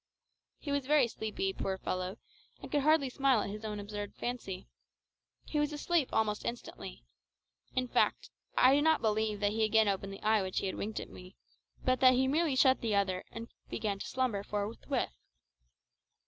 He was very sleepy, poor fellow, and could hardly smile at his own absurd fancy. He was asleep almost instantly. In fact, I do not believe that he again opened the eye with which he had winked at me, but that he merely shut the other and began to slumber forthwith.